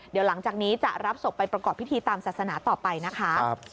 เดี๋ยวหลังจากนี้จะรับศพไปประกอบพิธีตามศาสนาต่อไปนะคะ